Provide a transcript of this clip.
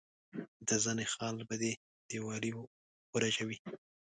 د زنه خال به دي دیوالۍ ورژوي.